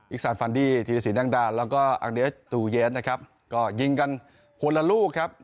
อิกซานฟันดี้ธีรศีลด้านแล้วก็อังเดศตูเย้นก็ยิงกันคนละลูก